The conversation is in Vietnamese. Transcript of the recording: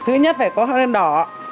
thứ nhất phải có hóa đơn đỏ